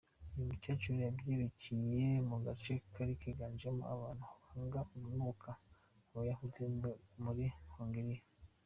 Uyu mukecuru yabyirukiye mu gace kari kiganjemo abantu banga urunuka Abayahudi muri Hongiriya.